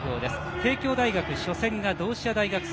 帝京大学、初戦は同志社大学戦。